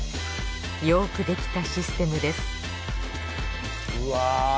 よくできたシステムですうわぁ。